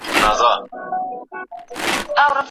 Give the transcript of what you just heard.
موږ لا پخوا پلان جوړ کړی و.